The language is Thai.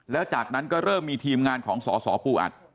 แล้วจากนั้นก็เริ่มมีทีมงานของสสปูอัด